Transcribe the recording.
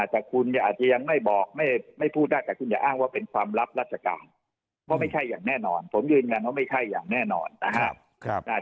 แต่คุณเนี่ยอาจจะยังไม่บอกไม่พูดได้แต่คุณอย่าอ้างว่าเป็นความลับราชการเพราะไม่ใช่อย่างแน่นอนผมยืนยันว่าไม่ใช่อย่างแน่นอนนะครับ